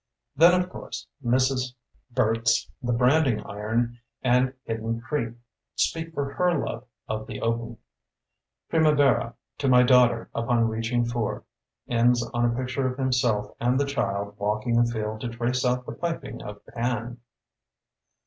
Then, of course, Mrs. Burt's "The Branding Iron" and "Hid den Creek" speak for her love of the open. "Primavera: To My Daughter upon Reaching Four" ends on a pic ture of himself and the child walking afield to trace out the piping of Pan.